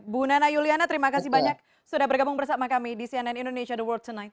bu nana yuliana terima kasih banyak sudah bergabung bersama kami di cnn indonesia the world tonight